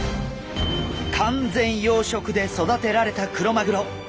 完全養殖で育てられたクロマグロ。